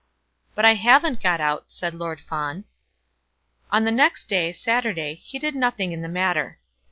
"But I haven't got out," said Lord Fawn. On the next day, Saturday, he did nothing in the matter.